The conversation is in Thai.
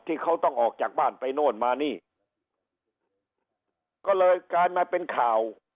ที่เขาต้องออกจากบ้านไปโน่นมานี่ก็เลยกลายมาเป็นข่าว